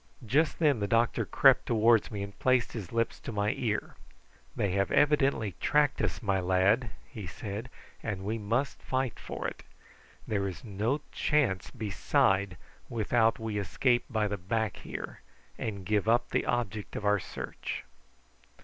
Just then the doctor crept towards me and placed his lips to my ear: "They have evidently tracked us, my lad," he said; "and we must fight for it. There is no chance beside without we escape by the back here, and give up the object of our search."